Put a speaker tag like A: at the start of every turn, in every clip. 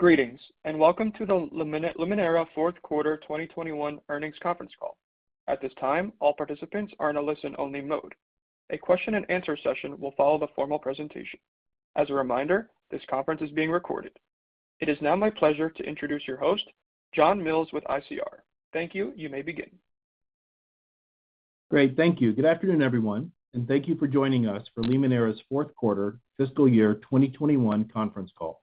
A: Greetings, and welcome to the Limoneira fourth quarter 2021 earnings conference call. At this time, all participants are in a listen-only mode. A question and answer session will follow the formal presentation. As a reminder, this conference is being recorded. It is now my pleasure to introduce your host, John Mills with ICR. Thank you. You may begin.
B: Great. Thank you. Good afternoon, everyone, and thank you for joining us for Limoneira's fourth quarter fiscal year 2021 conference call.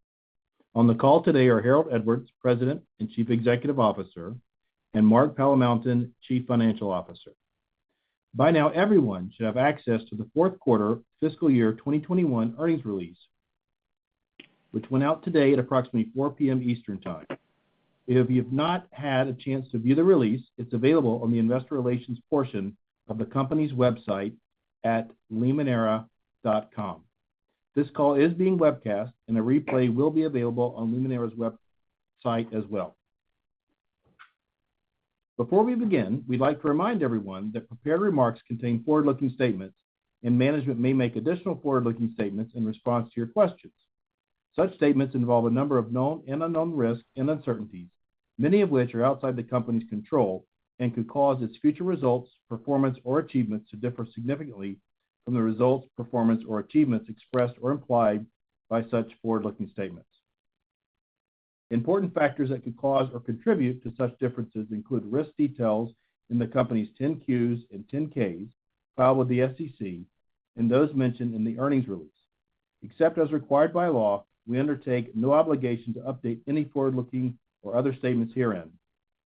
B: On the call today are Harold Edwards, President and Chief Executive Officer, and Mark Palamountain, Chief Financial Officer. By now, everyone should have access to the fourth quarter fiscal year 2021 earnings release, which went out today at approximately 4:00 P.M. Eastern Time. If you've not had a chance to view the release, it's available on the investor relations portion of the company's website at limoneira.com. This call is being webcast, and a replay will be available on Limoneira's website as well. Before we begin, we'd like to remind everyone that prepared remarks contain forward-looking statements, and management may make additional forward-looking statements in response to your questions. Such statements involve a number of known and unknown risks and uncertainties, many of which are outside the company's control and could cause its future results, performance, or achievements to differ significantly from the results, performance, or achievements expressed or implied by such forward-looking statements. Important factors that could cause or contribute to such differences include risk details in the company's 10-Qs and 10-Ks filed with the SEC and those mentioned in the earnings release. Except as required by law, we undertake no obligation to update any forward-looking or other statements herein,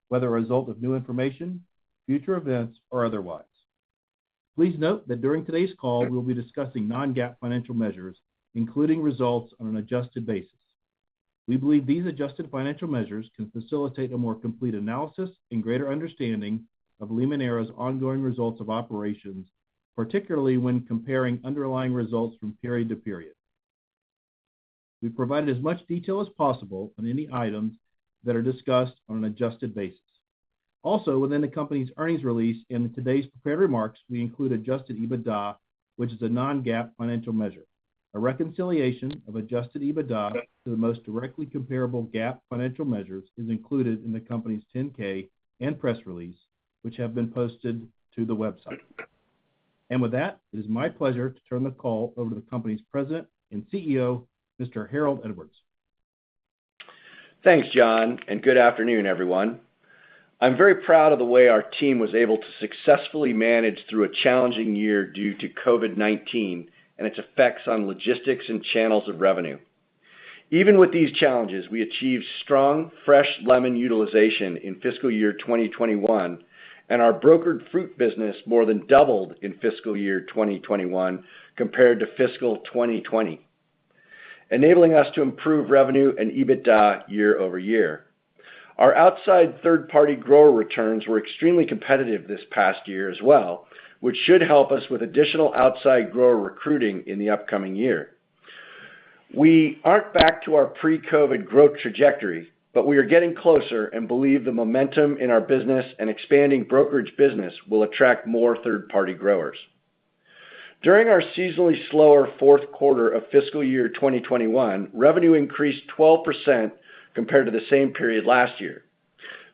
B: whether a result of new information, future events, or otherwise. Please note that during today's call, we'll be discussing non-GAAP financial measures, including results on an adjusted basis. We believe these adjusted financial measures can facilitate a more complete analysis and greater understanding of Limoneira's ongoing results of operations, particularly when comparing underlying results from period to period. We've provided as much detail as possible on any items that are discussed on an adjusted basis. Also, within the company's earnings release and in today's prepared remarks, we include adjusted EBITDA, which is a non-GAAP financial measure. A reconciliation of adjusted EBITDA to the most directly comparable GAAP financial measures is included in the company's 10-K and press release, which have been posted to the website. With that, it is my pleasure to turn the call over to the company's President and CEO, Mr. Harold Edwards.
C: Thanks, John, and good afternoon, everyone. I'm very proud of the way our team was able to successfully manage through a challenging year due to COVID-19 and its effects on logistics and channels of revenue. Even with these challenges, we achieved strong fresh lemon utilization in fiscal year 2021, and our brokered fruit business more than doubled in fiscal year 2021 compared to fiscal year 2020, enabling us to improve revenue and EBITDA year-over-year. Our outside third-party grower returns were extremely competitive this past year as well, which should help us with additional outside grower recruiting in the upcoming year. We aren't back to our pre-COVID growth trajectory, but we are getting closer and believe the momentum in our business and expanding brokerage business will attract more third-party growers. During our seasonally slower fourth quarter of fiscal year 2021, revenue increased 12% compared to the same period last year.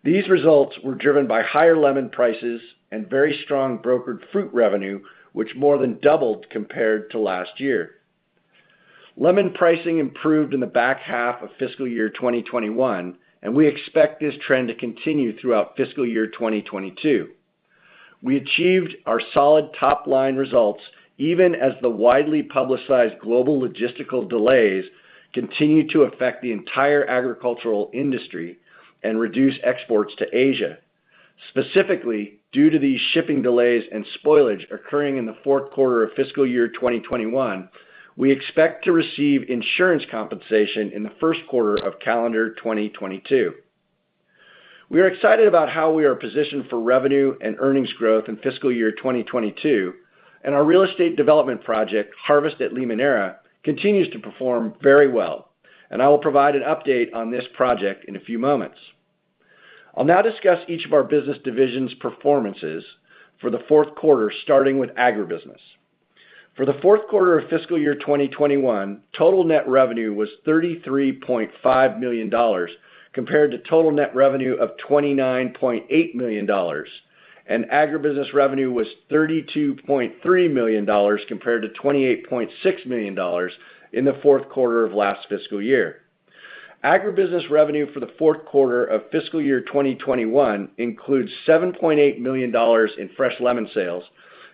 C: These results were driven by higher lemon prices and very strong brokered fruit revenue, which more than doubled compared to last year. Lemon pricing improved in the back half of fiscal year 2021, and we expect this trend to continue throughout fiscal year 2022. We achieved our solid top-line results even as the widely publicized global logistical delays continued to affect the entire agricultural industry and reduce exports to Asia. Specifically, due to these shipping delays and spoilage occurring in the fourth quarter of fiscal year 2021, we expect to receive insurance compensation in the first quarter of calendar 2022. We are excited about how we are positioned for revenue and earnings growth in fiscal year 2022, and our real estate development project, Harvest at Limoneira, continues to perform very well, and I will provide an update on this project in a few moments. I'll now discuss each of our business divisions' performances for the fourth quarter, starting with agribusiness. For the fourth quarter of fiscal year 2021, total net revenue was $33.5 million compared to total net revenue of $29.8 million, and agribusiness revenue was $32.3 million compared to $28.6 million in the fourth quarter of last fiscal year. Agribusiness revenue for the fourth quarter of fiscal year 2021 includes $7.8 million in fresh lemon sales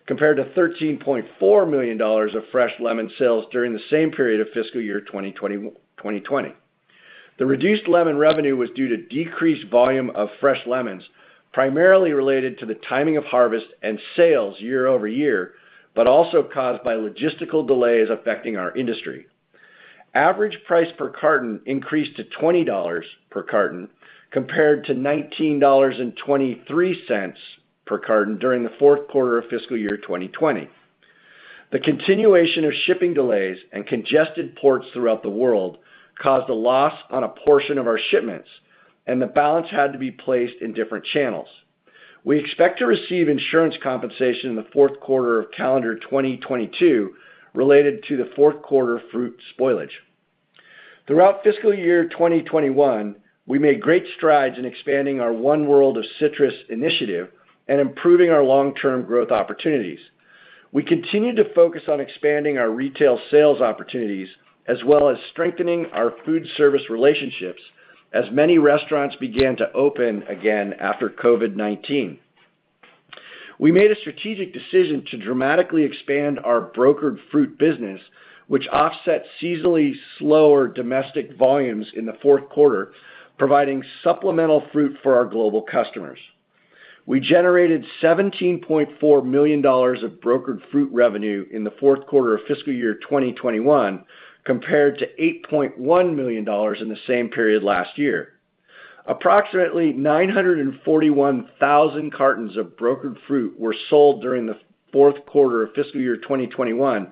C: compared to $13.4 million of fresh lemon sales during the same period of fiscal year 2020. The reduced lemon revenue was due to decreased volume of fresh lemons, primarily related to the timing of harvest and sales year over year, but also caused by logistical delays affecting our industry. Average price per carton increased to $20 per carton compared to $19.23 per carton during the fourth quarter of fiscal year 2020. The continuation of shipping delays and congested ports throughout the world caused a loss on a portion of our shipments, and the balance had to be placed in different channels. We expect to receive insurance compensation in the fourth quarter of calendar 2022 related to the fourth quarter fruit spoilage. Throughout fiscal year 2021, we made great strides in expanding our One World of Citrus initiative and improving our long-term growth opportunities. We continued to focus on expanding our retail sales opportunities as well as strengthening our food service relationships as many restaurants began to open again after COVID-19. We made a strategic decision to dramatically expand our brokered fruit business, which offset seasonally slower domestic volumes in the fourth quarter, providing supplemental fruit for our global customers. We generated $17.4 million of brokered fruit revenue in the fourth quarter of fiscal year 2021 compared to $8.1 million in the same period last year. Approximately 941,000 cartons of brokered fruit were sold during the fourth quarter of fiscal year 2021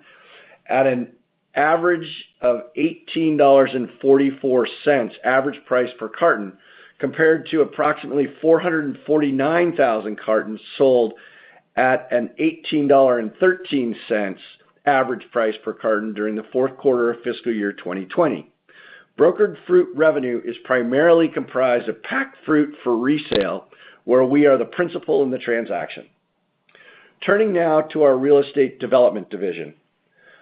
C: at an average of $18.44 average price per carton compared to approximately 449,000 cartons sold at an $18.13 average price per carton during the fourth quarter of fiscal year 2020. Brokered fruit revenue is primarily comprised of packed fruit for resale where we are the principal in the transaction. Turning now to our real estate development division.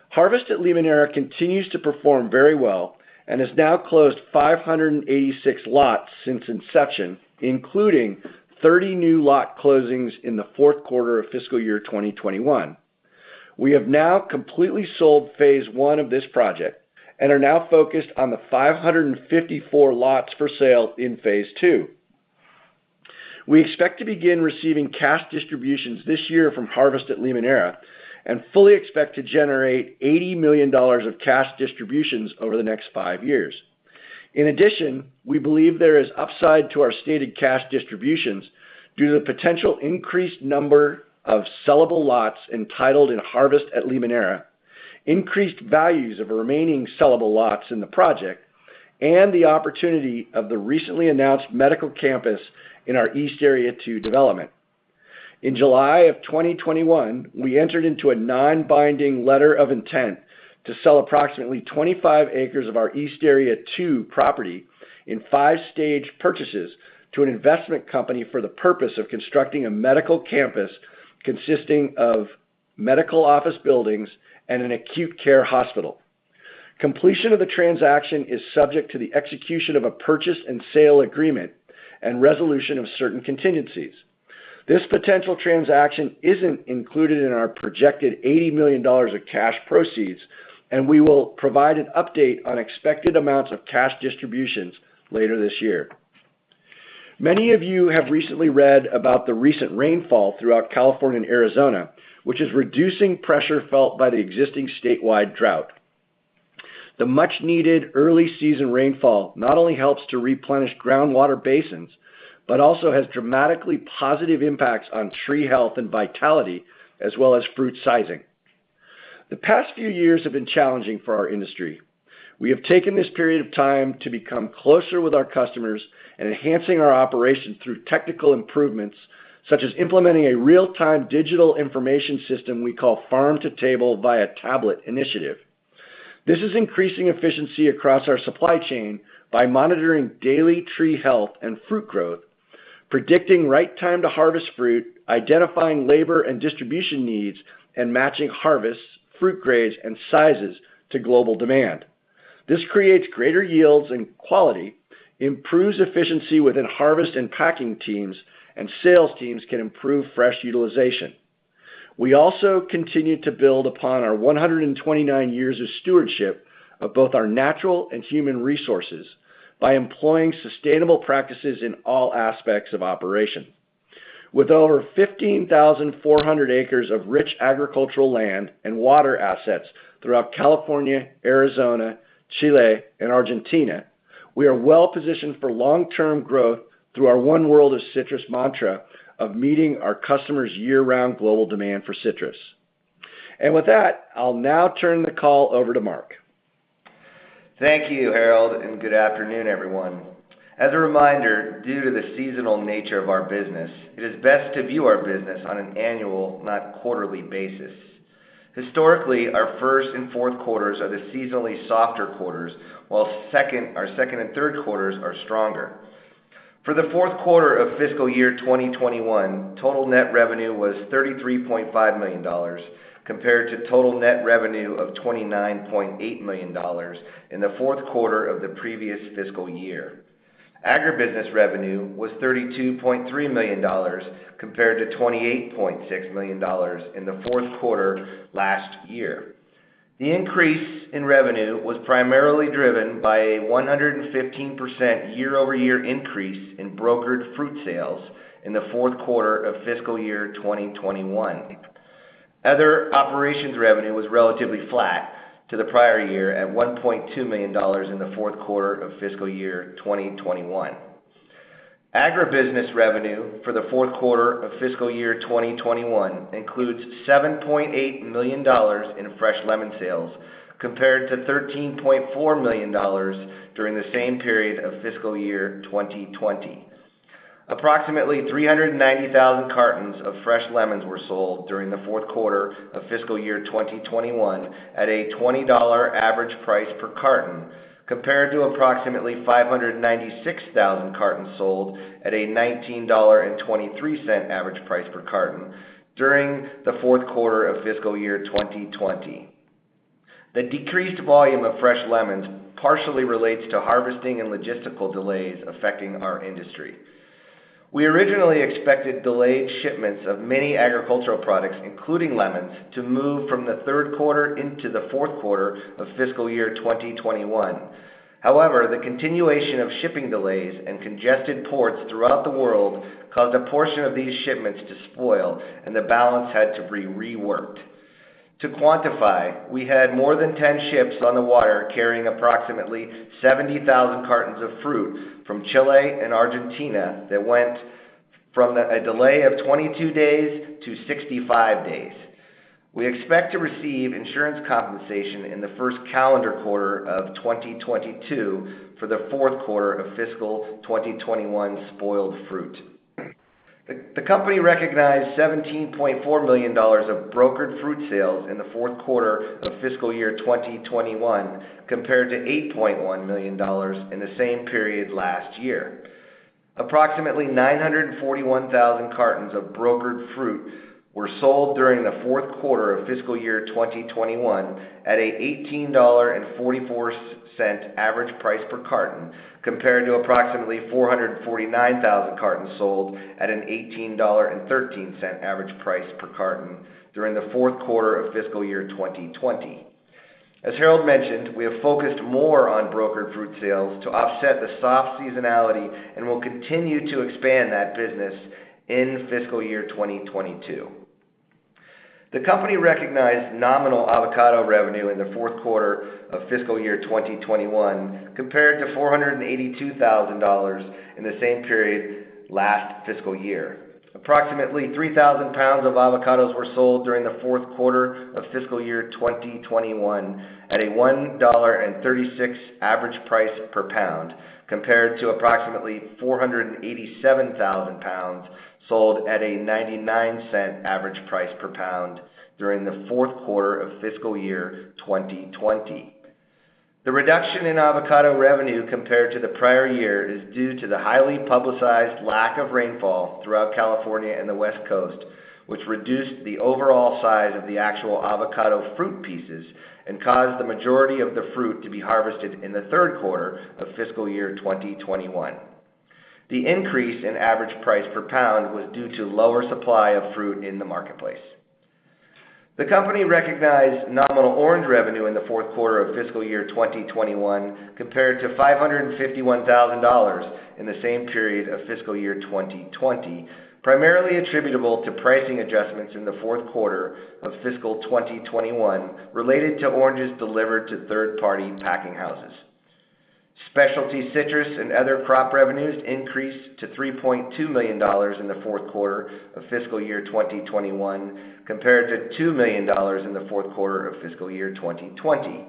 C: Harvest at Limoneira continues to perform very well and has now closed 586 lots since inception, including 30 new lot closings in the fourth quarter of fiscal year 2021. We have now completely sold phase I of this project and are now focused on the 554 lots for sale in phase II. We expect to begin receiving cash distributions this year from Harvest at Limoneira and fully expect to generate $80 million of cash distributions over the next five years. In addition, we believe there is upside to our stated cash distributions due to the potential increased number of sellable lots entitled in Harvest at Limoneira, increased values of remaining sellable lots in the project, and the opportunity of the recently announced medical campus in our East Area Two development. In July 2021, we entered into a non-binding letter of intent to sell approximately 25 acres of our East Area Two property in five-stage purchases to an investment company for the purpose of constructing a medical campus consisting of medical office buildings and an acute care hospital. Completion of the transaction is subject to the execution of a purchase and sale agreement and resolution of certain contingencies. This potential transaction isn't included in our projected $80 million of cash proceeds, and we will provide an update on expected amounts of cash distributions later this year. Many of you have recently read about the recent rainfall throughout California and Arizona, which is reducing pressure felt by the existing statewide drought. The much-needed early season rainfall not only helps to replenish groundwater basins, but also has dramatically positive impacts on tree health and vitality as well as fruit sizing. The past few years have been challenging for our industry. We have taken this period of time to become closer with our customers and enhancing our operations through technical improvements, such as implementing a real-time digital information system we call Farm to Table via Tablet Initiative. This is increasing efficiency across our supply chain by monitoring daily tree health and fruit growth, predicting right time to harvest fruit, identifying labor and distribution needs, and matching harvests, fruit grades, and sizes to global demand. This creates greater yields and quality, improves efficiency within harvest and packing teams, and sales teams can improve fresh utilization. We also continue to build upon our 129 years of stewardship of both our natural and human resources by employing sustainable practices in all aspects of operation. With over 15,400 acres of rich agricultural land and water assets throughout California, Arizona, Chile, and Argentina, we are well-positioned for long-term growth through our One World of Citrus mantra of meeting our customers' year-round global demand for citrus. With that, I'll now turn the call over to Mark.
D: Thank you, Harold, and good afternoon, everyone. As a reminder, due to the seasonal nature of our business, it is best to view our business on an annual, not quarterly basis. Historically, our first and fourth quarters are the seasonally softer quarters, while our second and third quarters are stronger. For the fourth quarter of fiscal year 2021, total net revenue was $33.5 million compared to total net revenue of $29.8 million in the fourth quarter of the previous fiscal year. Agribusiness revenue was $32.3 million compared to $28.6 million in the fourth quarter last year. The increase in revenue was primarily driven by a 115% year-over-year increase in brokered fruit sales in the fourth quarter of fiscal year 2021. Other operations revenue was relatively flat to the prior year at $1.2 million in the fourth quarter of fiscal year 2021. Agribusiness revenue for the fourth quarter of fiscal year 2021 includes $7.8 million in fresh lemon sales compared to $13.4 million during the same period of fiscal year 2020. Approximately 390,000 cartons of fresh lemons were sold during the fourth quarter of fiscal year 2021 at a $20 average price per carton, compared to approximately 596,000 cartons sold at a $19.23 average price per carton during the fourth quarter of fiscal year 2020. The decreased volume of fresh lemons partially relates to harvesting and logistical delays affecting our industry. We originally expected delayed shipments of many agricultural products, including lemons, to move from the third quarter into the fourth quarter of fiscal year 2021. However, the continuation of shipping delays and congested ports throughout the world caused a portion of these shipments to spoil and the balance had to be reworked. To quantify, we had more than 10 ships on the water carrying approximately 70,000 cartons of fruit from Chile and Argentina that went from a delay of 22 days to 65 days. We expect to receive insurance compensation in the first calendar quarter of 2022 for the fourth quarter of fiscal 2021 spoiled fruit. The company recognized $17.4 million of brokered fruit sales in the fourth quarter of fiscal year 2021 compared to $8.1 million in the same period last year. Approximately 941,000 cartons of brokered fruit were sold during the fourth quarter of fiscal year 2021 at an $18.44 average price per carton, compared to approximately 449,000 cartons sold at an $18.13 average price per carton during the fourth quarter of fiscal year 2020. Harold mentioned, we have focused more on brokered fruit sales to offset the soft seasonality and will continue to expand that business in fiscal year 2022. The company recognized nominal avocado revenue in the fourth quarter of fiscal year 2021 compared to $482,000 in the same period last fiscal year. Approximately 3,000 pounds of avocados were sold during the fourth quarter of fiscal year 2021 at a $1.36 average price per pound, compared to approximately 487,000 pounds sold at a $0.99 average price per pound during the fourth quarter of fiscal year 2020. The reduction in avocado revenue compared to the prior year is due to the highly publicized lack of rainfall throughout California and the West Coast, which reduced the overall size of the actual avocado fruit pieces and caused the majority of the fruit to be harvested in the third quarter of fiscal year 2021. The increase in average price per pound was due to lower supply of fruit in the marketplace. The company recognized nominal orange revenue in the fourth quarter of fiscal year 2021 compared to $551,000 in the same period of fiscal year 2020, primarily attributable to pricing adjustments in the fourth quarter of fiscal 2021 related to oranges delivered to third-party packing houses. Specialty citrus and other crop revenues increased to $3.2 million in the fourth quarter of fiscal year 2021 compared to $2 million in the fourth quarter of fiscal year 2020.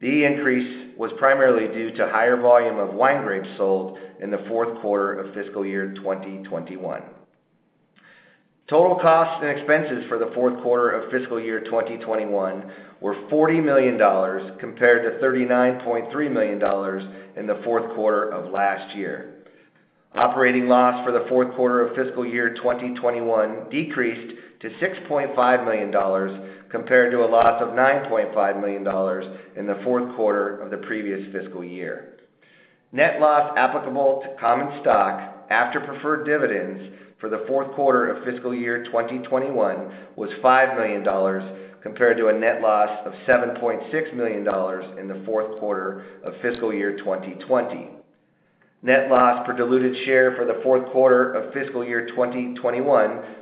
D: The increase was primarily due to higher volume of wine grapes sold in the fourth quarter of fiscal year 2021. Total costs and expenses for the fourth quarter of fiscal year 2021 were $40 million compared to $39.3 million in the fourth quarter of last year. Operating loss for the fourth quarter of fiscal year 2021 decreased to $6.5 million compared to a loss of $9.5 million in the fourth quarter of the previous fiscal year. Net loss applicable to common stock after preferred dividends for the fourth quarter of fiscal year 2021 was $5 million compared to a net loss of $7.6 million in the fourth quarter of fiscal year 2020. Net loss per diluted share for the fourth quarter of fiscal year 2021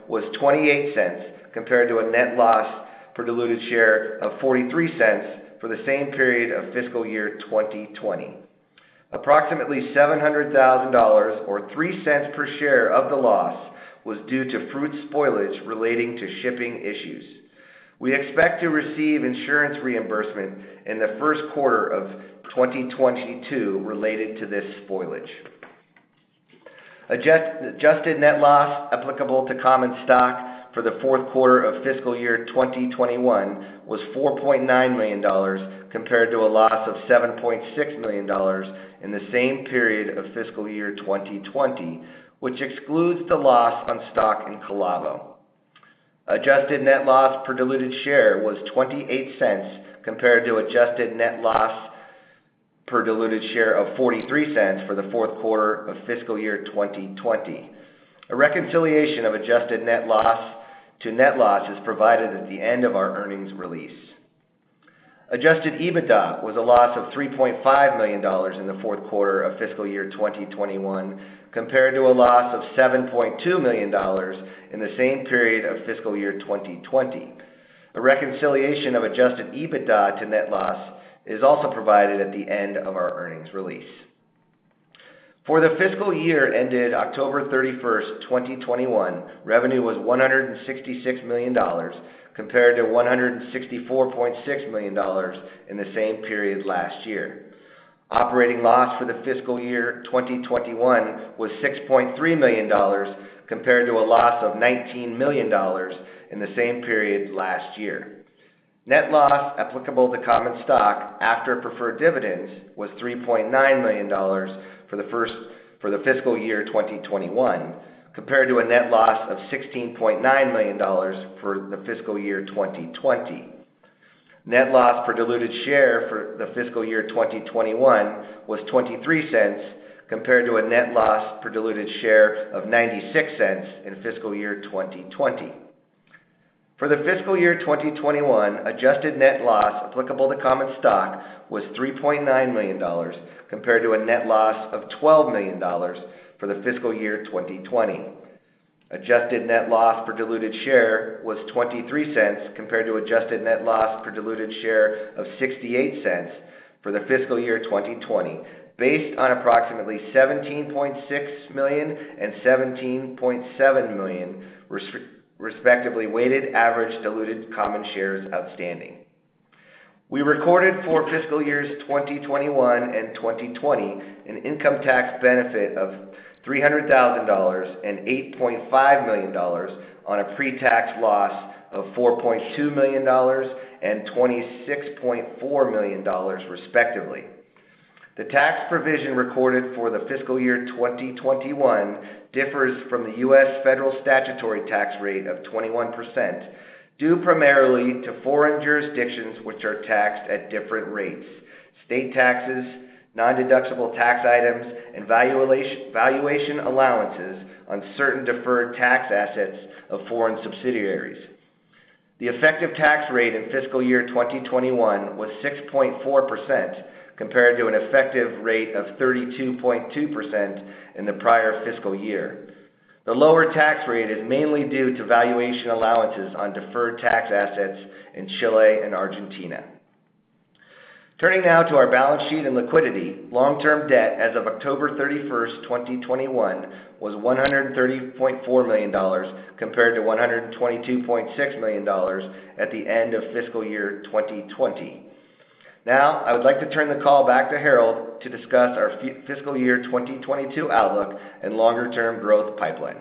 D: was $0.28 compared to a net loss per diluted share of $0.43 for the same period of fiscal year 2020. Approximately $700,000 or $0.03 per share of the loss was due to fruit spoilage relating to shipping issues. We expect to receive insurance reimbursement in the first quarter of 2022 related to this spoilage. Adjusted net loss applicable to common stock for the fourth quarter of fiscal year 2021 was $4.9 million compared to a loss of $7.6 million in the same period of fiscal year 2020, which excludes the loss on stock in Calavo. Adjusted net loss per diluted share was $0.28 compared to adjusted net loss per diluted share of $0.43 for the fourth quarter of fiscal year 2020. A reconciliation of adjusted net loss to net loss is provided at the end of our earnings release. Adjusted EBITDA was a loss of $3.5 million in the fourth quarter of fiscal year 2021 compared to a loss of $7.2 million in the same period of fiscal year 2020. A reconciliation of adjusted EBITDA to net loss is also provided at the end of our earnings release. For the fiscal year ended October 31, 2021, revenue was $166 million compared to $164.6 million in the same period last year. Operating loss for the fiscal year 2021 was $6.3 million compared to a loss of $19 million in the same period last year. Net loss applicable to common stock after preferred dividends was $3.9 million for the fiscal year 2021 compared to a net loss of $16.9 million for the fiscal year 2020. Net loss per diluted share for the fiscal year 2021 was $0.23 compared to a net loss per diluted share of $0.96 in fiscal year 2020. For the fiscal year 2021, adjusted net loss applicable to common stock was $3.9 million compared to a net loss of $12 million for the fiscal year 2020. Adjusted net loss per diluted share was $0.23 compared to adjusted net loss per diluted share of $0.68 for the fiscal year 2020 based on approximately 17.6 million and 17.7 million respectively weighted average diluted common shares outstanding. We recorded for fiscal years 2021 and 2020 an income tax benefit of $300,000 and $8.5 million on a pre-tax loss of $4.2 million and $26.4 million, respectively. The tax provision recorded for the fiscal year 2021 differs from the U.S. federal statutory tax rate of 21%, due primarily to foreign jurisdictions which are taxed at different rates, state taxes, nondeductible tax items, and valuation allowances on certain deferred tax assets of foreign subsidiaries. The effective tax rate in fiscal year 2021 was 6.4% compared to an effective rate of 32.2% in the prior fiscal year. The lower tax rate is mainly due to valuation allowances on deferred tax assets in Chile and Argentina. Turning now to our balance sheet and liquidity. Long-term debt as of October 31, 2021 was $130.4 million compared to $122.6 million at the end of fiscal year 2020. I would like to turn the call back to Harold to discuss our fiscal year 2022 outlook and longer term growth pipeline.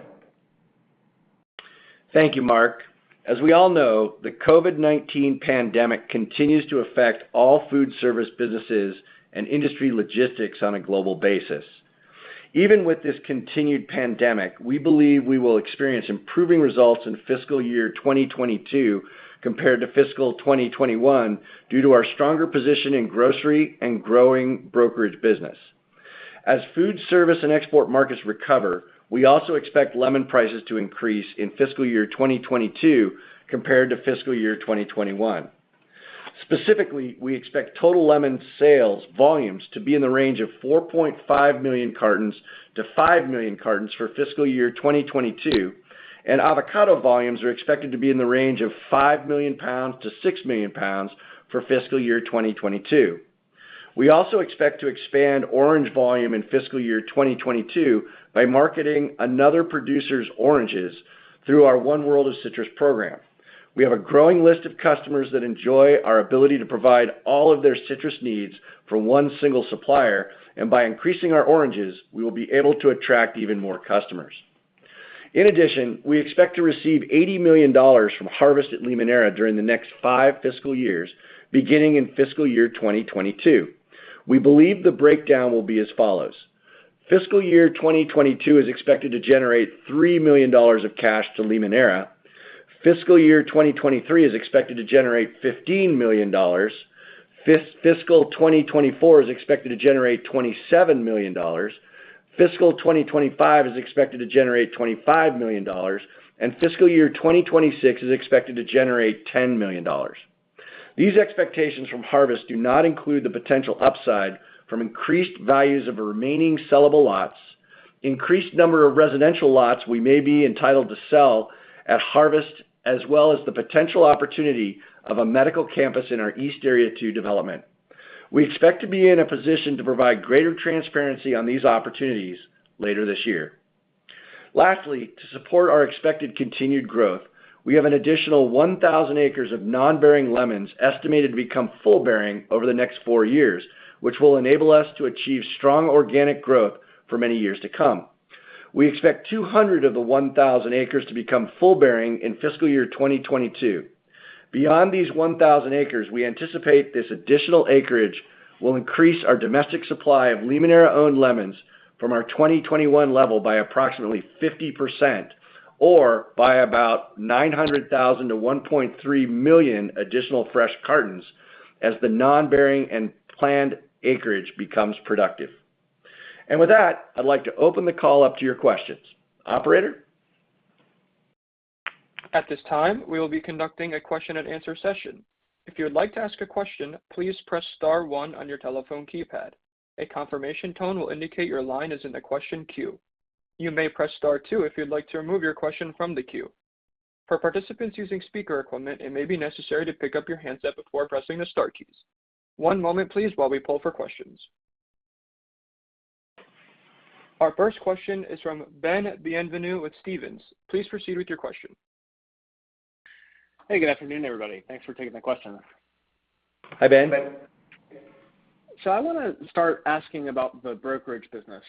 C: Thank you, Mark. As we all know, the COVID-19 pandemic continues to affect all food service businesses and industry logistics on a global basis. Even with this continued pandemic, we believe we will experience improving results in fiscal year 2022 compared to fiscal 2021 due to our stronger position in grocery and growing brokerage business. As food service and export markets recover, we also expect lemon prices to increase in fiscal year 2022 compared to fiscal 2021. Specifically, we expect total lemon sales volumes to be in the range of 4.5 million cartons-5 million cartons for fiscal year 2022, and avocado volumes are expected to be in the range of 5 million pounds-6 million pounds for fiscal year 2022. We also expect to expand orange volume in fiscal year 2022 by marketing another producer's oranges through our One World of Citrus program. We have a growing list of customers that enjoy our ability to provide all of their citrus needs from one single supplier, and by increasing our oranges, we will be able to attract even more customers. In addition, we expect to receive $80 million from Harvest at Limoneira during the next five fiscal years, beginning in fiscal year 2022. We believe the breakdown will be as follows. Fiscal year 2022 is expected to generate $3 million of cash to Limoneira. Fiscal year 2023 is expected to generate $15 million. Fiscal year 2024 is expected to generate $27 million. Fiscal 2025 is expected to generate $25 million, and fiscal year 2026 is expected to generate $10 million. These expectations from Harvest do not include the potential upside from increased values of the remaining sellable lots, increased number of residential lots we may be entitled to sell at Harvest, as well as the potential opportunity of a medical campus in our East Area Two development. We expect to be in a position to provide greater transparency on these opportunities later this year. Lastly, to support our expected continued growth, we have an additional 1,000 acres of non-bearing lemons estimated to become full bearing over the next four years, which will enable us to achieve strong organic growth for many years to come. We expect 200 of the 1,000 acres to become full bearing in fiscal year 2022. Beyond these 1,000 acres, we anticipate this additional acreage will increase our domestic supply of Limoneira-owned lemons from our 2021 level by approximately 50% or by about 900,000-1.3 million additional fresh cartons as the non-bearing and planned acreage becomes productive. With that, I'd like to open the call up to your questions. Operator?
A: At this time, we will be conducting a question and answer session. If you would like to ask a question, please press star one on your telephone keypad. A confirmation tone will indicate your line is in the question queue. You may press star two if you'd like to remove your question from the queue. For participants using speaker equipment, it may be necessary to pick up your handset before pressing the star keys. One moment please while we poll for questions. Our first question is from Ben Bienvenu with Stephens. Please proceed with your question.
E: Hey, good afternoon, everybody. Thanks for taking the question.
C: Hi, Ben.
E: I wanna start asking about the brokerage business.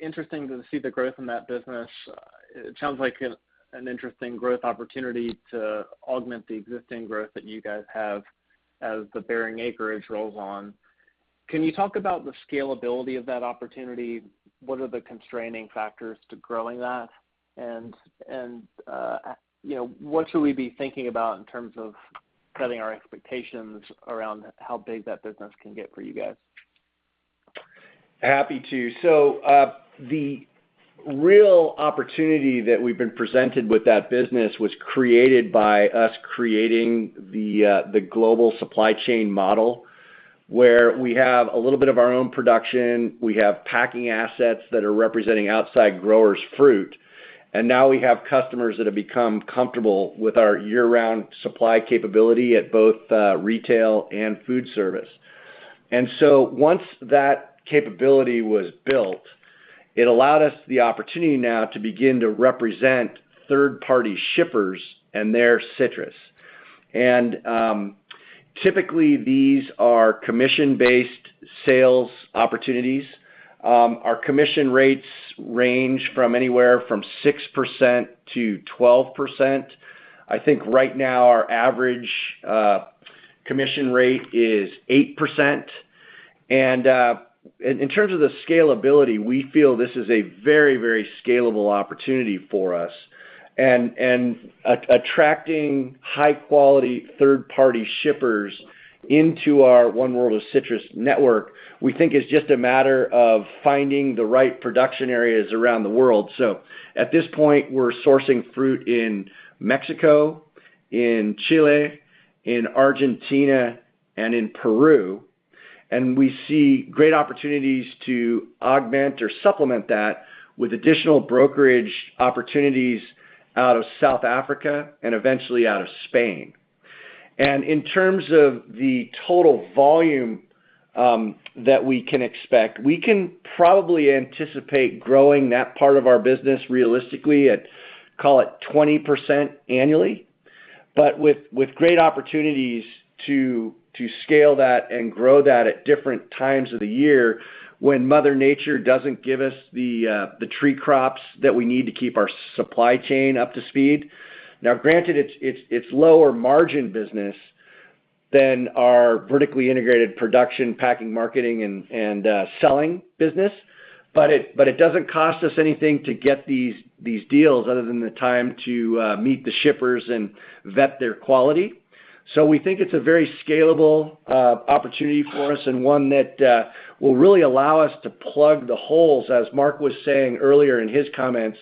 E: Interesting to see the growth in that business. It sounds like an interesting growth opportunity to augment the existing growth that you guys have as the bearing acreage rolls on. Can you talk about the scalability of that opportunity? What are the constraining factors to growing that? You know, what should we be thinking about in terms of setting our expectations around how big that business can get for you guys?
C: Happy to. The real opportunity that we've been presented with that business was created by us creating the global supply chain model, where we have a little bit of our own production, we have packing assets that are representing outside growers' fruit, and now we have customers that have become comfortable with our year-round supply capability at both retail and food service. Once that capability was built, it allowed us the opportunity now to begin to represent third-party shippers and their citrus. Typically these are commission-based sales opportunities. Our commission rates range from anywhere from 6%-12%. I think right now our average commission rate is 8%. In terms of the scalability, we feel this is a very, very scalable opportunity for us. Attracting high quality third party shippers into our One World of Citrus network, we think is just a matter of finding the right production areas around the world. At this point, we're sourcing fruit in Mexico, in Chile, in Argentina, and in Peru, and we see great opportunities to augment or supplement that with additional brokerage opportunities out of South Africa and eventually out of Spain. In terms of the total volume that we can expect, we can probably anticipate growing that part of our business realistically at, call it, 20% annually, but with great opportunities to scale that and grow that at different times of the year when Mother Nature doesn't give us the tree crops that we need to keep our supply chain up to speed. Now granted it's lower margin business than our vertically integrated production, packing, marketing, and selling business, but it doesn't cost us anything to get these deals other than the time to meet the shippers and vet their quality. So we think it's a very scalable opportunity for us and one that will really allow us to plug the holes, as Mark was saying earlier in his comments,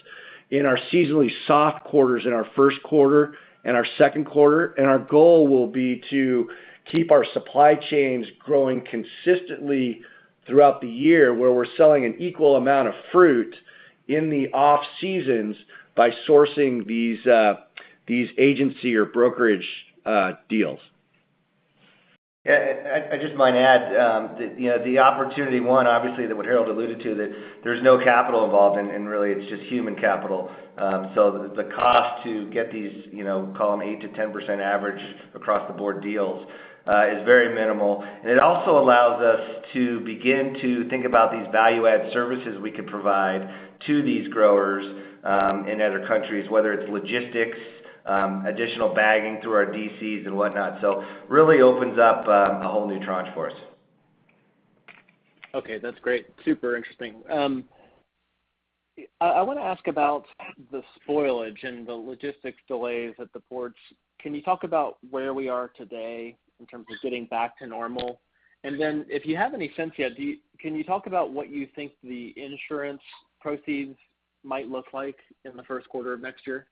C: in our seasonally soft quarters in our first quarter and our second quarter. Our goal will be to keep our supply chains growing consistently throughout the year, where we're selling an equal amount of fruit in the off seasons by sourcing these agency or brokerage deals.
D: I just might add, you know, the opportunity, one, obviously that's what Harold alluded to, that there's no capital involved and really it's just human capital. The cost to get these, you know, call 'em 8%-10% average across the board deals, is very minimal. It also allows us to begin to think about these value add services we could provide to these growers, in other countries, whether it's logistics, additional bagging through our DCs and whatnot. It really opens up a whole new tranche for us.
E: Okay, that's great. Super interesting. I wanna ask about the spoilage and the logistics delays at the ports. Can you talk about where we are today in terms of getting back to normal? Then, if you have any sense yet, can you talk about what you think the insurance proceeds might look like in the first quarter of next year?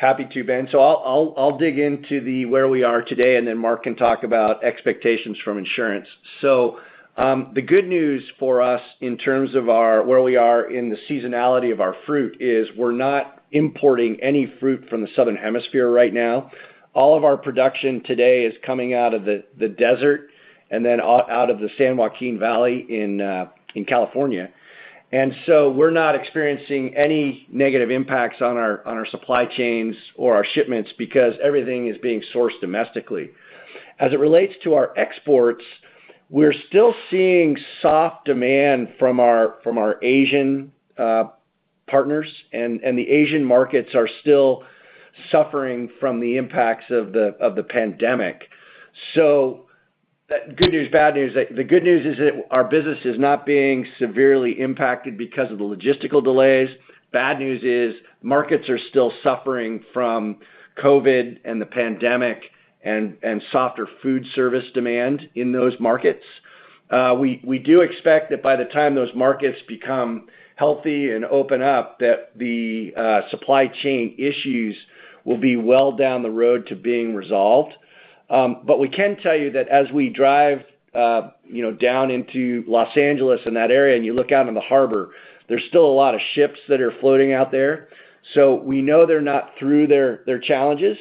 C: Happy to, Ben. I'll dig into where we are today, and then Mark can talk about expectations from insurance. The good news for us in terms of our where we are in the seasonality of our fruit is we're not importing any fruit from the southern hemisphere right now. All of our production today is coming out of the desert and then out of the San Joaquin Valley in California. We're not experiencing any negative impacts on our supply chains or our shipments because everything is being sourced domestically. As it relates to our exports, we're still seeing soft demand from our Asian partners and the Asian markets are still suffering from the impacts of the pandemic. Good news, bad news. The good news is that our business is not being severely impacted because of the logistical delays. Bad news is markets are still suffering from COVID and the pandemic and softer food service demand in those markets. We do expect that by the time those markets become healthy and open up, that the supply chain issues will be well down the road to being resolved. But we can tell you that as we drive, you know, down into Los Angeles and that area, and you look out in the harbor, there's still a lot of ships that are floating out there. So we know they're not through their challenges.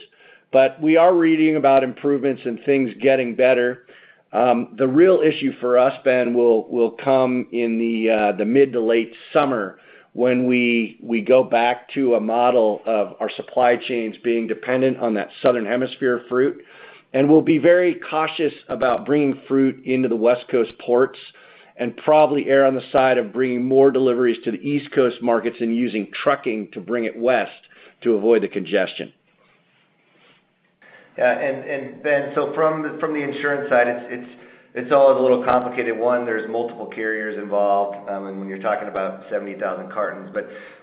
C: We are reading about improvements and things getting better. The real issue for us, Ben, will come in the mid to late summer when we go back to a model of our supply chains being dependent on that Southern Hemisphere fruit. We'll be very cautious about bringing fruit into the West Coast ports, and probably err on the side of bringing more deliveries to the East Coast markets and using trucking to bring it west to avoid the congestion.
D: Yeah. Ben, from the insurance side, it's all a little complicated. One, there's multiple carriers involved, and when you're talking about 70,000 cartons.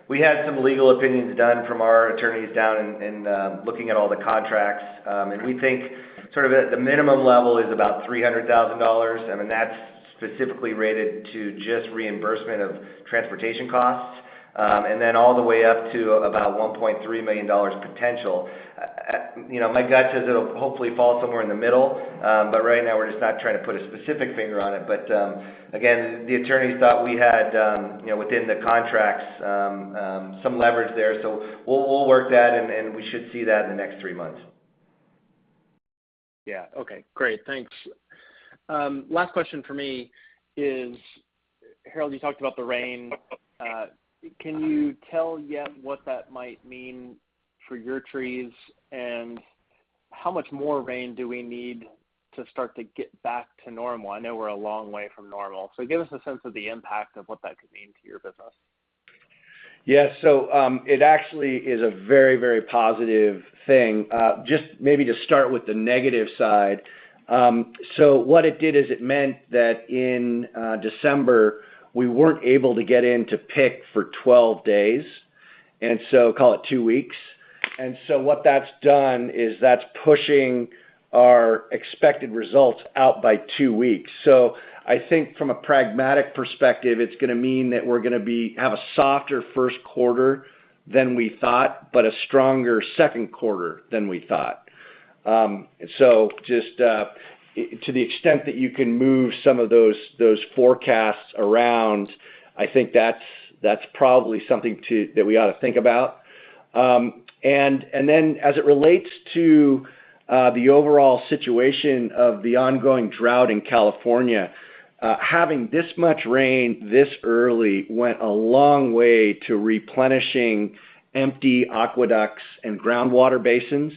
D: We had some legal opinions done from our attorneys down in looking at all the contracts. We think sort of at the minimum level is about $300,000, and then that's specifically related to just reimbursement of transportation costs, and then all the way up to about $1.3 million potential. You know, my gut says it'll hopefully fall somewhere in the middle. Right now we're just not trying to put a specific finger on it. Again, the attorneys thought we had, you know, within the contracts, some leverage there. We'll work that and we should see that in the next three months.
E: Yeah. Okay. Great. Thanks. Last question for me is, Harold, you talked about the rain. Can you tell yet what that might mean for your trees, and how much more rain do we need to start to get back to normal? I know we're a long way from normal, so give us a sense of the impact of what that could mean to your business.
C: Yeah. It actually is a very, very positive thing. Just maybe to start with the negative side. What it did is it meant that in December, we weren't able to get in to pick for 12 days, and so call it two weeks. What that's done is that's pushing our expected results out by two weeks. I think from a pragmatic perspective, it's gonna mean that we're gonna have a softer first quarter than we thought, but a stronger second quarter than we thought. Just to the extent that you can move some of those forecasts around, I think that's probably something that we ought to think about. As it relates to the overall situation of the ongoing drought in California, having this much rain this early went a long way to replenishing empty aqueducts and groundwater basins.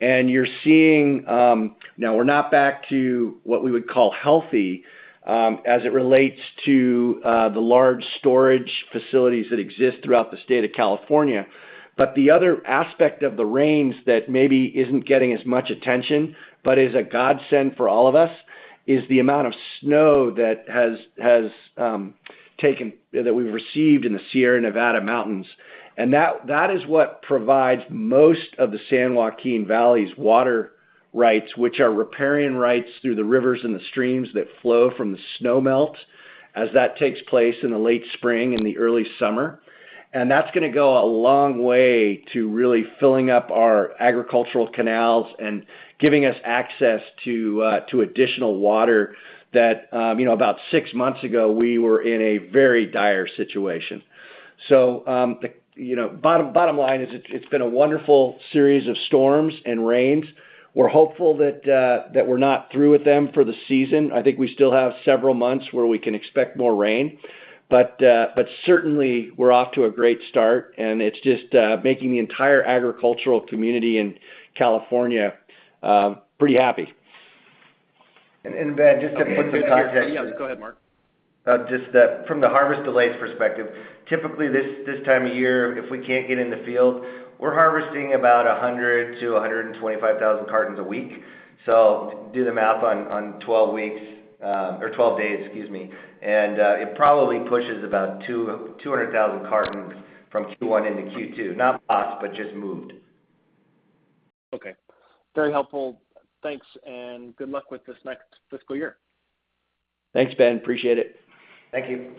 C: You're seeing now we're not back to what we would call healthy as it relates to the large storage facilities that exist throughout the state of California. The other aspect of the rains that maybe isn't getting as much attention, but is a godsend for all of us, is the amount of snow that we've received in the Sierra Nevada Mountains. That is what provides most of the San Joaquin Valley's water rights, which are riparian rights through the rivers and the streams that flow from the snow melt as that takes place in the late spring and the early summer. That's gonna go a long way to really filling up our agricultural canals and giving us access to additional water that, you know, about six months ago, we were in a very dire situation. You know, bottom line is it's been a wonderful series of storms and rains. We're hopeful that we're not through with them for the season. I think we still have several months where we can expect more rain. Certainly we're off to a great start, and it's just making the entire agricultural community in California pretty happy.
D: Ben, just to put some context.
E: Yeah. Go ahead, Mark.
D: Just that from the harvest delays perspective, typically this time of year, if we can't get in the field, we're harvesting about 100-125,000 cartons a week. So do the math on 12 weeks, or 12 days, excuse me, and it probably pushes about 200,000 cartons from Q1 into Q2. Not lost, but just moved.
E: Okay. Very helpful. Thanks, and good luck with this next fiscal year.
C: Thanks, Ben. Appreciate it.
D: Thank you.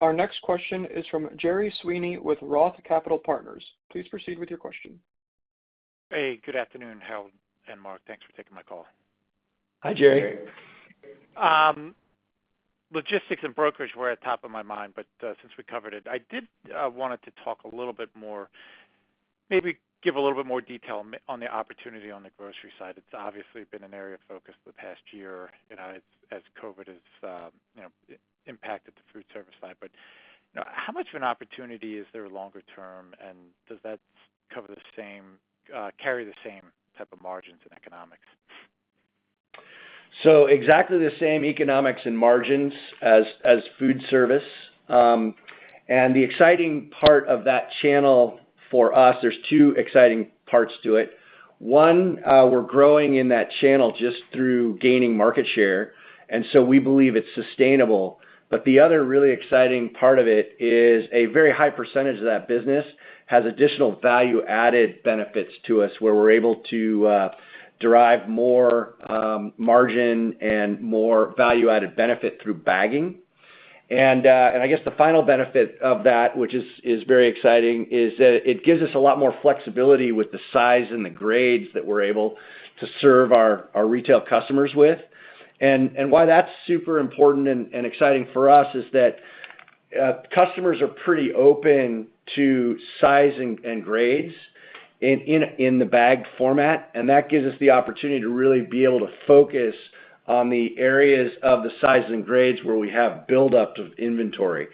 A: Our next question is from Gerry Sweeney with Roth Capital Partners. Please proceed with your question.
F: Hey, good afternoon, Harold and Mark. Thanks for taking my call.
C: Hi, Gerry.
D: Hi, Gerry.
F: Logistics and brokerage were at top of my mind, but since we covered it, I wanted to talk a little bit more, maybe give a little bit more detail on the opportunity on the grocery side. It's obviously been an area of focus for the past year, you know, as COVID has, you know, impacted the food service side. You know, how much of an opportunity is there longer term, and does that cover the same carry the same type of margins and economics?
C: Exactly the same economics and margins as food service. The exciting part of that channel for us, there's two exciting parts to it. One, we're growing in that channel just through gaining market share, and so we believe it's sustainable. The other really exciting part of it is a very high percentage of that business has additional value added benefits to us, where we're able to derive more margin and more value added benefit through bagging. I guess the final benefit of that, which is very exciting, is that it gives us a lot more flexibility with the size and the grades that we're able to serve our retail customers with. Why that's super important and exciting for us is that customers are pretty open to size and grades in the bagged format, and that gives us the opportunity to really be able to focus on the areas of the size and grades where we have buildup of inventory.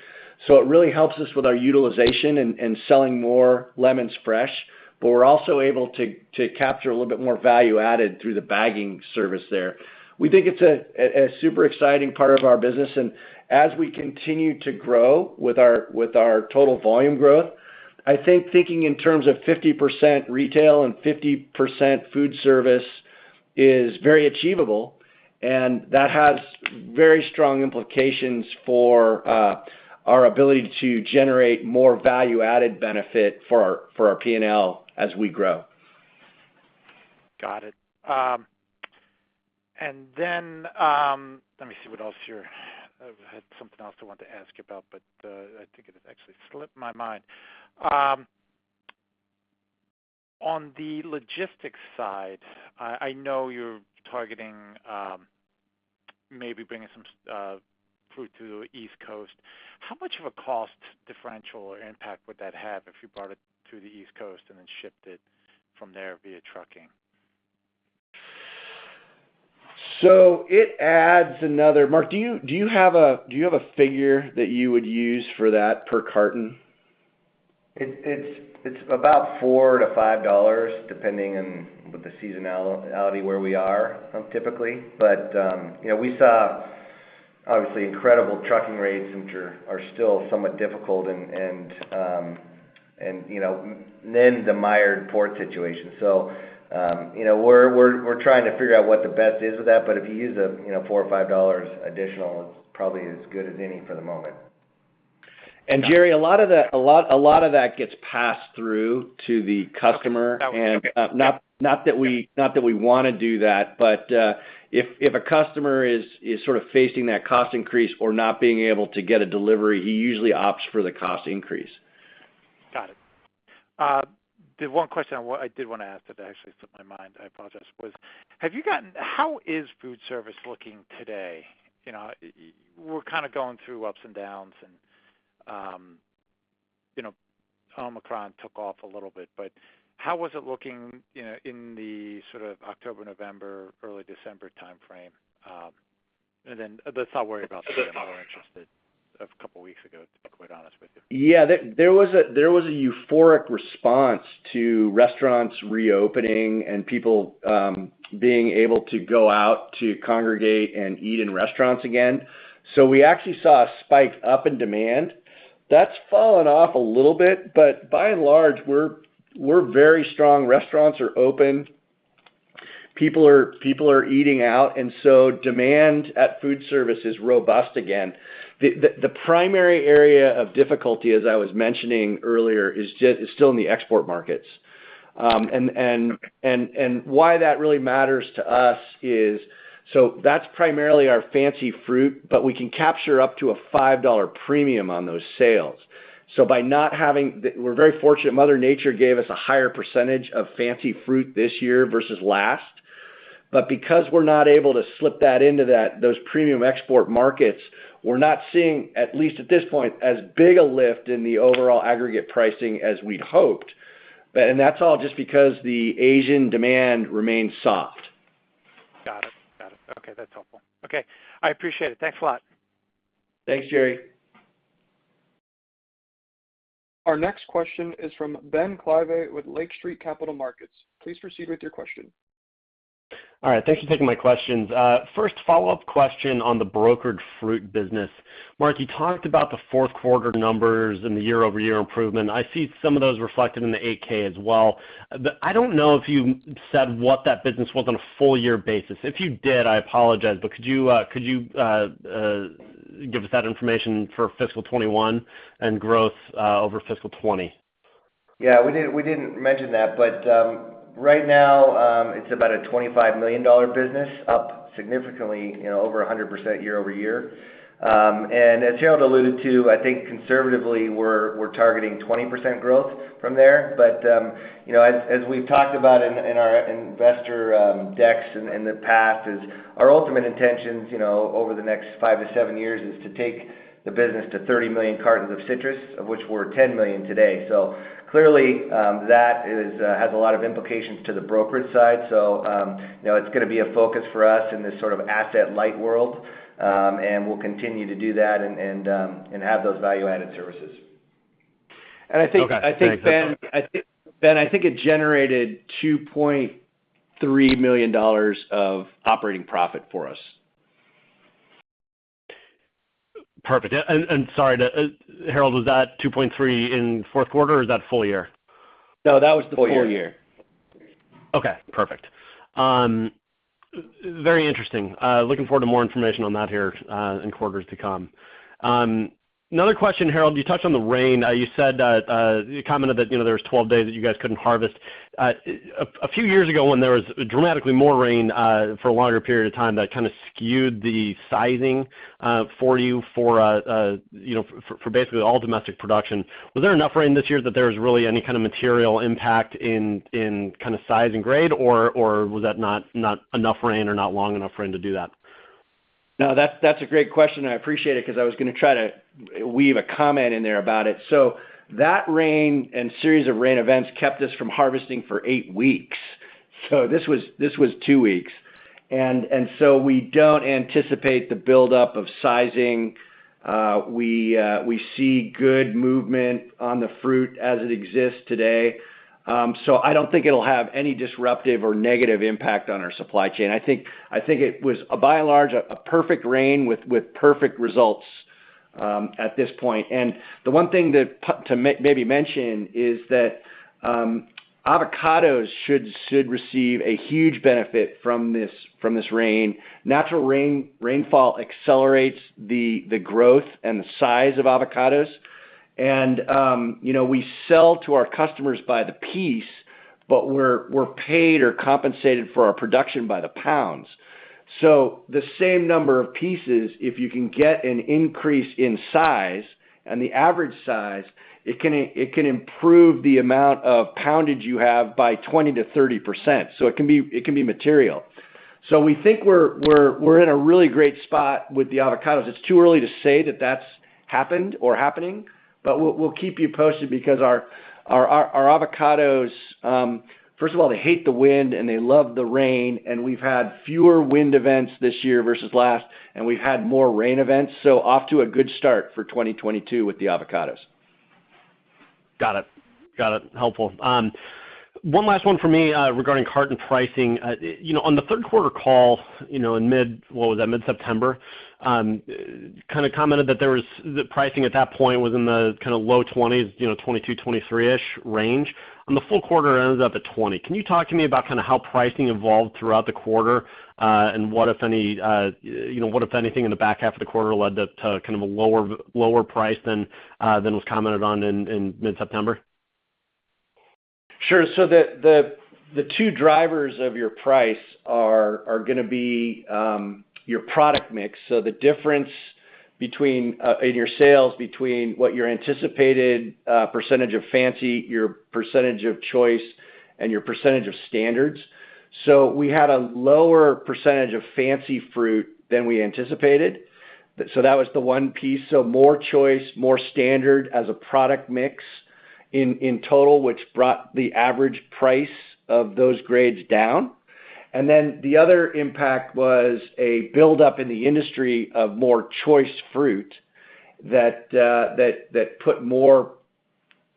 C: It really helps us with our utilization and selling more lemons fresh, but we're also able to capture a little bit more value added through the bagging service there. We think it's a super exciting part of our business, and as we continue to grow with our total volume growth, I think thinking in terms of 50% retail and 50% food service is very achievable, and that has very strong implications for our ability to generate more value added benefit for our P&L as we grow.
F: Got it. Let me see what else here. I had something else I wanted to ask about, but I think it has actually slipped my mind. On the logistics side, I know you're targeting maybe bringing some fruit to the East Coast. How much of a cost differential or impact would that have if you brought it through the East Coast and then shipped it from there via trucking?
C: Mark, do you have a figure that you would use for that per carton?
D: It's about $4-$5, depending on what the seasonality where we are, typically. You know, we saw obviously incredible trucking rates, which are still somewhat difficult and, you know, then the mired port situation. You know, we're trying to figure out what the best is with that, but if you use, you know, $4-$5 additional, it's probably as good as any for the moment.
C: Gerry, a lot of that gets passed through to the customer.
F: Okay.
C: Not that we wanna do that, but if a customer is sort of facing that cost increase or not being able to get a delivery, he usually opts for the cost increase.
F: Got it. The one question I did wanna ask that actually slipped my mind, I apologize, was, How is food service looking today? You know, we're kind of going through ups and downs and, you know, Omicron took off a little bit, but how was it looking, you know, in the sort of October, November, early December timeframe? Let's not worry about today. I'm more interested in a couple weeks ago, to be quite honest with you.
C: Yeah. There was a euphoric response to restaurants reopening and people being able to go out to congregate and eat in restaurants again. We actually saw a spike up in demand. That's fallen off a little bit, but by and large, we're very strong. Restaurants are open. People are eating out, and demand at food service is robust again. The primary area of difficulty, as I was mentioning earlier, is still in the export markets. Why that really matters to us, so that's primarily our fancy fruit, but we can capture up to a $5 premium on those sales. We're very fortunate. Mother Nature gave us a higher percentage of fancy fruit this year versus last. Because we're not able to slip that into that, those premium export markets, we're not seeing, at least at this point, as big a lift in the overall aggregate pricing as we'd hoped. That's all just because the Asian demand remains soft.
F: Got it. Okay, that's helpful. Okay, I appreciate it. Thanks a lot.
C: Thanks, Gerry.
A: Our next question is from Ben Klieve with Lake Street Capital Markets. Please proceed with your question.
G: All right. Thanks for taking my questions. First follow-up question on the brokered fruit business. Mark, you talked about the fourth quarter numbers and the year-over-year improvement. I see some of those reflected in the 8-K as well. I don't know if you said what that business was on a full year basis. If you did, I apologize, but could you give us that information for fiscal 2021 and growth over fiscal 2020?
D: Yeah. We didn't mention that. Right now, it's about a $25 million business, up significantly, you know, over 100% year over year. As Harold alluded to, I think conservatively, we're targeting 20% growth from there. You know, as we've talked about in our investor decks in the past is our ultimate intentions, you know, over the next 5-7 years is to take the business to 30 million cartons of citrus, of which we're 10 million today. Clearly, that has a lot of implications to the brokerage side. You know, it's gonna be a focus for us in this sort of asset light world, and we'll continue to do that and have those value added services.
G: Okay.
C: I think, Ben, it generated $2.3 million of operating profit for us.
G: Perfect. Sorry to Harold, was that 2.3 in fourth quarter, or is that full year?
D: No, that was the full year.
C: The full year.
G: Okay, perfect. Very interesting. Looking forward to more information on that here in quarters to come. Another question, Harold. You touched on the rain. You said that you commented that, you know, there were 12 days that you guys couldn't harvest. A few years ago, when there was dramatically more rain for a longer period of time, that kind of skewed the sizing for you know, for basically all domestic production. Was there enough rain this year that there was really any kind of material impact in kind of size and grade, or was that not enough rain or not long enough rain to do that?
C: No, that's a great question, and I appreciate it 'cause I was gonna try to weave a comment in there about it. That rain and series of rain events kept us from harvesting for eight weeks, so this was two weeks. We don't anticipate the buildup of sizing. We see good movement on the fruit as it exists today. I don't think it'll have any disruptive or negative impact on our supply chain. I think it was, by and large, a perfect rain with perfect results at this point. The one thing that maybe mention is that, avocados should receive a huge benefit from this rain. Natural rainfall accelerates the growth and the size of avocados. You know, we sell to our customers by the piece, but we're paid or compensated for our production by the pounds. The same number of pieces, if you can get an increase in size and the average size, it can improve the amount of poundage you have by 20%-30%, so it can be material. We think we're in a really great spot with the avocados. It's too early to say that that's happened or happening, but we'll keep you posted because our avocados, first of all, they hate the wind and they love the rain, and we've had fewer wind events this year versus last, and we've had more rain events, so off to a good start for 2022 with the avocados.
G: Got it. Helpful. One last one for me regarding carton pricing. You know, on the third quarter call, you know, in mid-September, kind of commented that the pricing at that point was in the kind of low 20s, you know, $22-$23-ish range. On the full quarter, it ended up at $20. Can you talk to me about kind of how pricing evolved throughout the quarter, and what, if anything, in the back half of the quarter led to kind of a lower price than was commented on in mid-September?
C: Sure. The two drivers of your price are gonna be your product mix, so the difference between in your sales between what your anticipated percentage of fancy, your percentage of choice, and your percentage of standards. We had a lower percentage of fancy fruit than we anticipated, so that was the one piece. More choice, more standard as a product mix in total, which brought the average price of those grades down. Then the other impact was a buildup in the industry of more choice fruit that put more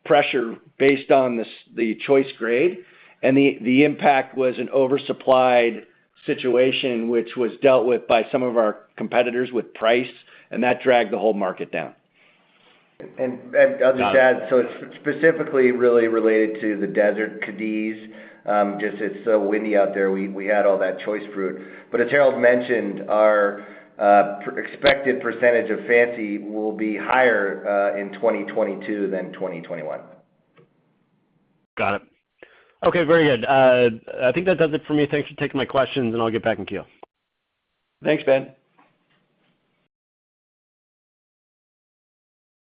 C: pressure based on the choice grade. The impact was an oversupplied situation which was dealt with by some of our competitors with price, and that dragged the whole market down.
D: I'll just add, specifically really related to the desert Cadiz, just it's so windy out there, we had all that choice fruit. As Harold mentioned, our expected percentage of fancy will be higher in 2022 than 2021.
G: Got it. Okay, very good. I think that does it for me. Thanks for taking my questions, and I'll get back in queue.
C: Thanks, Ben.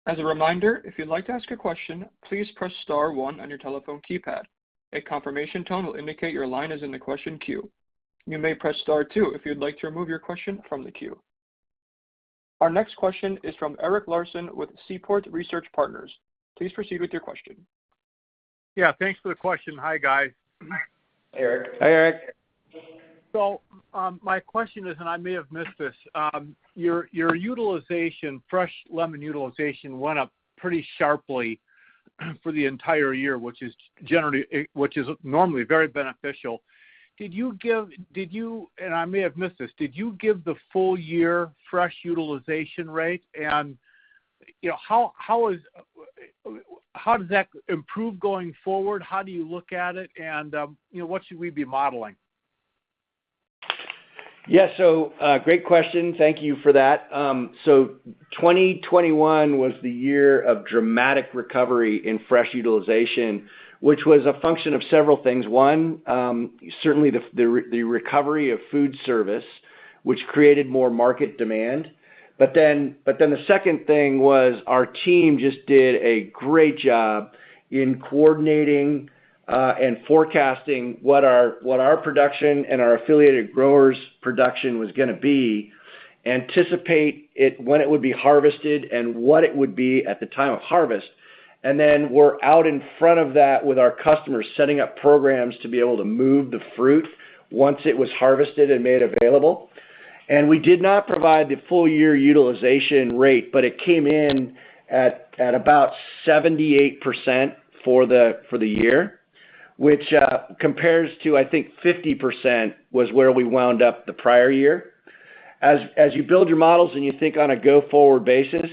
A: As a reminder, if you'd like to ask a question, please press star one on your telephone keypad. A confirmation tone will indicate your line is in the question queue. You may press star two if you'd like to remove your question from the queue. Our next question is from Eric Larson with Seaport Research Partners. Please proceed with your question.
H: Yeah, thanks for the question. Hi, guys.
C: Hi, Eric.
D: Hi, Eric.
H: My question is, and I may have missed this, your fresh lemon utilization went up pretty sharply for the entire year, which is normally very beneficial. Did you give the full year fresh utilization rate? You know, how does that improve going forward? How do you look at it? You know, what should we be modeling?
C: Yeah. Great question. Thank you for that. 2021 was the year of dramatic recovery in fresh utilization, which was a function of several things. One, certainly the recovery of food service, which created more market demand. The second thing was our team just did a great job in coordinating and forecasting what our production and our affiliated growers' production was gonna be, anticipate it, when it would be harvested, and what it would be at the time of harvest. We're out in front of that with our customers, setting up programs to be able to move the fruit once it was harvested and made available. We did not provide the full year utilization rate, but it came in at about 78% for the year, which compares to, I think, 50% was where we wound up the prior year. As you build your models and you think on a go-forward basis,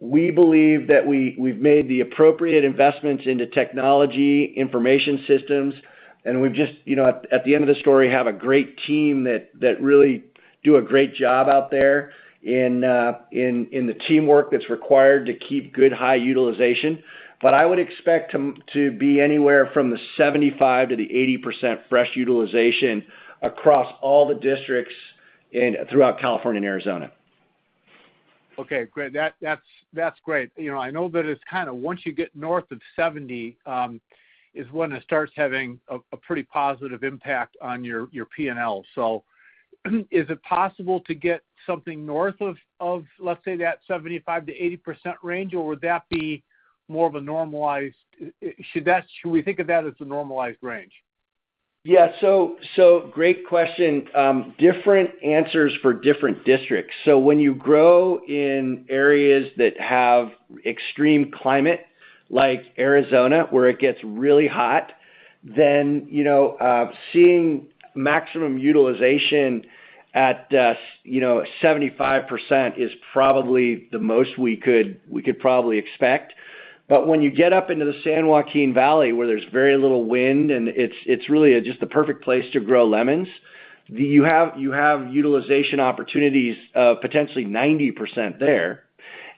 C: we believe that we've made the appropriate investments into technology information systems, and we've just, you know, at the end of the story, have a great team that really do a great job out there in the teamwork that's required to keep good high utilization. But I would expect to be anywhere from 75%-80% fresh utilization across all the districts in throughout California and Arizona.
H: Okay, great. That's great. You know, I know that it's kind of once you get north of 70, is when it starts having a pretty positive impact on your P&L. Is it possible to get something north of let's say that 75%-80% range, or would that be more of a normalized range? Should we think of that as a normalized range?
C: Yeah. Great question. Different answers for different districts. When you grow in areas that have extreme climate, like Arizona, where it gets really hot, then, you know, seeing maximum utilization at, you know, 75% is probably the most we could probably expect. But when you get up into the San Joaquin Valley where there's very little wind and it's really just the perfect place to grow lemons, you have utilization opportunities of potentially 90% there.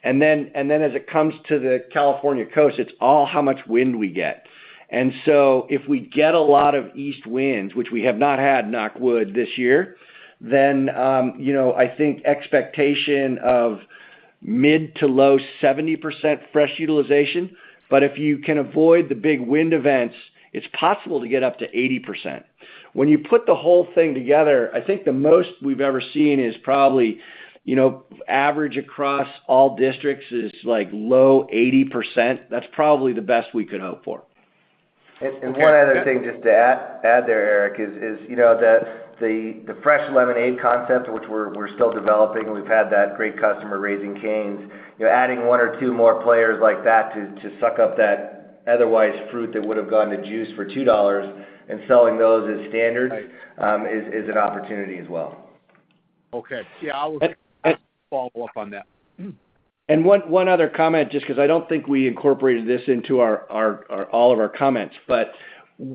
C: As it comes to the California coast, it's all how much wind we get. If we get a lot of east winds, which we have not had, knock on wood, this year, then, you know, I think expectation of mid- to low-70% fresh utilization. If you can avoid the big wind events, it's possible to get up to 80%. When you put the whole thing together, I think the most we've ever seen is probably, you know, average across all districts is like low 80%. That's probably the best we could hope for.
D: One other thing just to add there, Eric, is you know that the fresh lemonade concept, which we're still developing, we've had that great customer Raising Cane's. You know, adding one or two more players like that to suck up that otherwise fruit that would have gone to juice for $2 and selling those as standard-
H: Right.
D: is an opportunity as well.
H: Okay. Yeah, I'll follow up on that.
C: One other comment, just 'cause I don't think we incorporated this into our all of our comments, but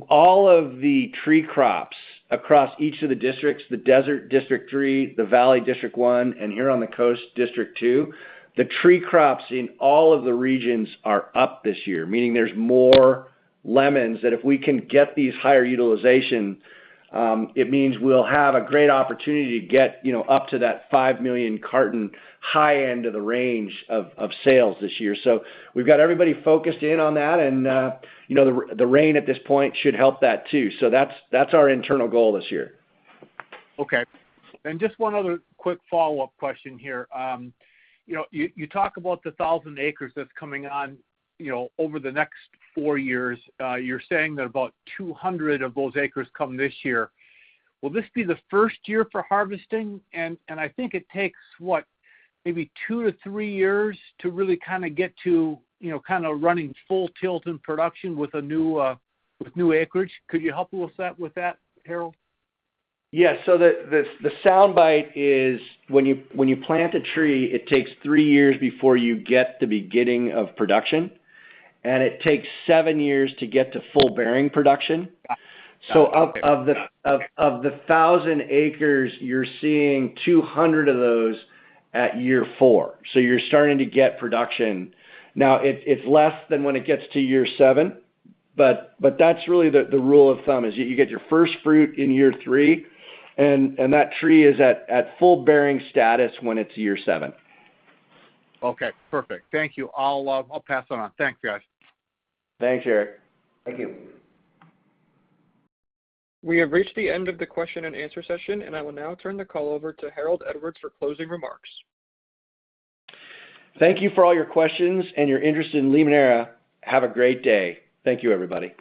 C: all of the tree crops across each of the districts, the Desert District three, the Valley District one, and here on the coast, District two, the tree crops in all of the regions are up this year, meaning there's more lemons that if we can get these higher utilization, it means we'll have a great opportunity to get, you know, up to that 5 million carton high end of the range of sales this year. We've got everybody focused in on that and, you know, the rain at this point should help that too. That's our internal goal this year.
H: Okay. Just one other quick follow-up question here. You know, you talk about the 1,000 acres that's coming on, you know, over the next four years. You're saying that about 200 of those acres come this year. Will this be the first year for harvesting? I think it takes, what, maybe 2-3 years to really kind of get to, you know, kind of running full tilt in production with a new with new acreage. Could you help with that, Harold?
C: Yes. The sound bite is when you plant a tree, it takes three years before you get the beginning of production, and it takes seven years to get to full bearing production. Of the-
H: Got it.
C: Of the 1,000 acres, you're seeing 200 of those at year four. You're starting to get production. Now, it's less than when it gets to year seven, but that's really the rule of thumb is you get your first fruit in year three, and that tree is at full bearing status when it's year seven.
H: Okay, perfect. Thank you. I'll pass that on. Thanks, guys.
D: Thanks, Eric.
C: Thank you.
A: We have reached the end of the question and answer session, and I will now turn the call over to Harold Edwards for closing remarks.
C: Thank you for all your questions and your interest in Limoneira. Have a great day. Thank you, everybody.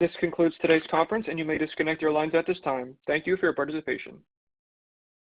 A: This concludes today's conference, and you may disconnect your lines at this time. Thank you for your participation.